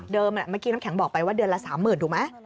เดิมนี่แม่งแหมกี้น้ำแข็งบอกไปว่าเดือนละ๓๐๐๐๐ถูกไหม